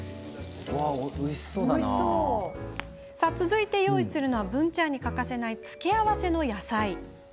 続いて用意するのはブン・チャーに欠かせない付け合わせの野菜。